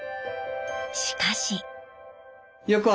しかし。